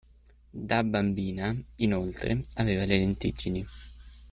Da bambina, inoltre, aveva le lentiggini.